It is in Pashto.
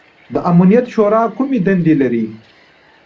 د امنیت شورا کومې دندې لري؟